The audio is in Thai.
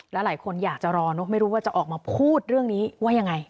หลายคนอยากจะรอเนอะไม่รู้ว่าจะออกมาพูดเรื่องนี้ว่ายังไง